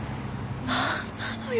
なんなのよ？